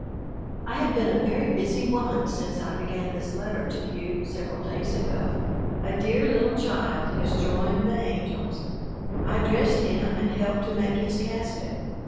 I have been a very busy woman since I began this letter to you several days ago. A dear little child has joined the angels. I dressed him and helped to make his casket.